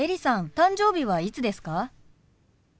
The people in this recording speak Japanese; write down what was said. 誕生日はいつですか？